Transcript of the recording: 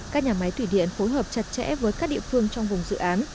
các nhà máy thủy điện phối hợp chặt chẽ với các địa phương trong vùng dự án